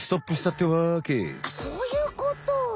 あっそういうこと！